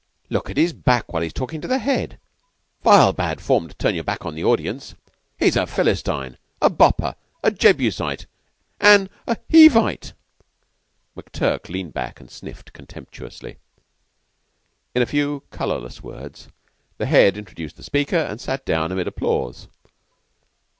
"Look at his back while he's talkin' to the Head. Vile bad form to turn your back on the audience! He's a Philistine a Bopper a Jebusite an' a Hivite." McTurk leaned back and sniffed contemptuously. In a few colorless words, the Head introduced the speaker and sat down amid applause.